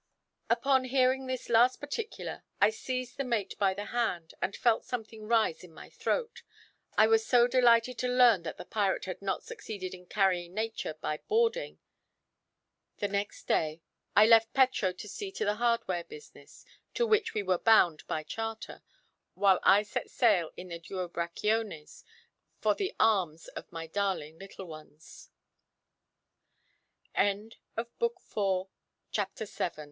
Upon hearing this last particular I seized the mate by the hand, and felt something rise in my throat: I was so delighted to learn that the pirate had not succeeded in carrying nature by boarding. The next day I left Petro to see to the hardware business to which we were bound by charter while I set sail in the "Duo Brachiones" for the arms of my darling little ones. CHAPTER XVIII. They put me in the ve